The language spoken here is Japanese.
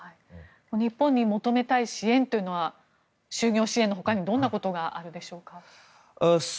日本に求めたい支援というのは就業支援の他にどんなことがあるでしょうか？